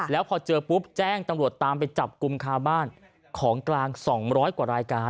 แล้วพอเจอปุ๊บแจ้งตำรวจตามไปจับกลุ่มคาบ้านของกลาง๒๐๐กว่ารายการ